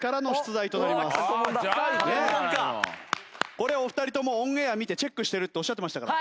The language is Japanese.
これはお二人ともオンエア見てチェックしてるっておっしゃってましたから。